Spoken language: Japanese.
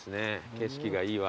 景色がいいわ。